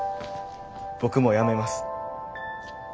僕もやめます。